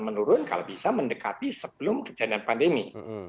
menurun kalau bisa mendekati sebelum kejadian pandemi